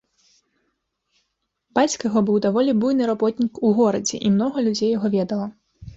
Бацька яго быў даволі буйны работнік у горадзе, і многа людзей яго ведала.